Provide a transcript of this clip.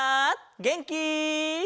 げんき？